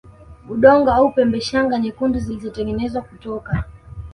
udongo au pembe Shanga nyekundu zilitengenezwa kutoka